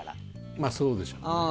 まぁそうでしょうね。